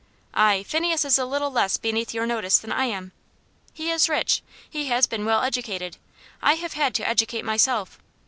"Ay, Phineas is a little less beneath your notice than I am. He is rich he has been well educated; I have had to educate myself.